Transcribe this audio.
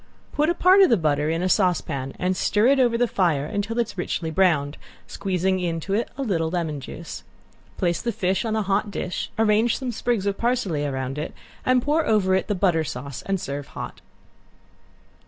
Put a part of the butter in a saucepan and stir it over the fire until it is richly browned, squeezing into it a little lemon juice. Place the fish on a hot dish, arrange some sprigs of parsley around it, and pour over it the butter sauce, and serve hot.